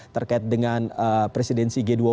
terkait dengan presidensi g dua puluh